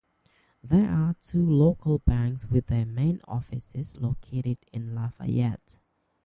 There are two local banks with their main offices located in Lafayette.